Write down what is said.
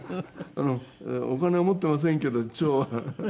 お金は持っていませんけど兆は。